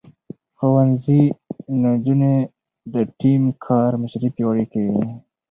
ښوونځی نجونې د ټيم کار مشري پياوړې کوي.